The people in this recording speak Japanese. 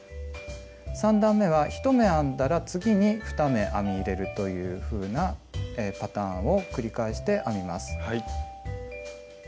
３段めは１目編んだら次に２目編み入れるというふうなパターンを繰り返して編みます。